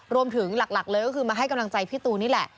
รวมถึงหลักหลักเลยก็คือมาให้กำลังใจพี่ตูนนี่แหละ